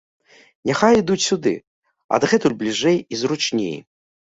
Няхай ідуць сюды, адгэтуль бліжэй і зручней.